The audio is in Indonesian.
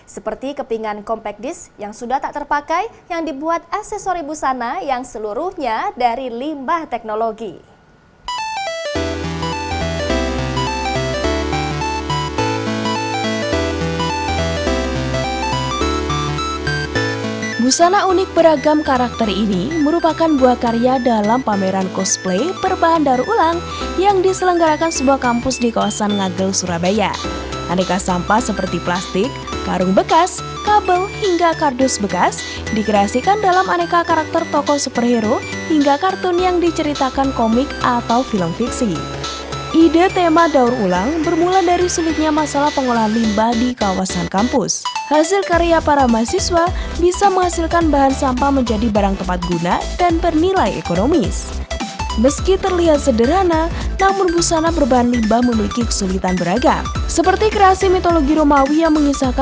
seperti kepingan kompak disk yang sudah tak terpakai yang dibuat aksesori busana yang seluruhnya dari limbah teknologi